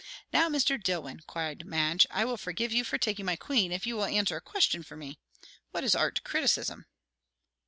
"Now, Mr. Dillwyn," cried Madge, "I will forgive you for taking my queen, if you will answer a question for me. What is 'art criticism'?"